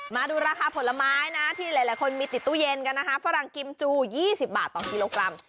มาดูราคาผลไม้นะที่หลายคนมีติดตู้เย็นกันนะคะฝรั่งกิมจู๒๐บาทต่อกิโลกรัม